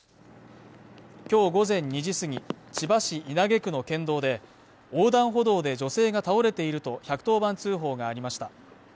今日午前２時過ぎ千葉市稲毛区の県道で横断歩道で女性が倒れていると１１０番通報がありました